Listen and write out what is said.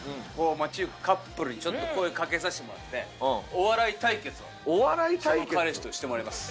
街ゆくカップルにちょっと声かけさせてもらってお笑い対決をその彼氏としてもらいます。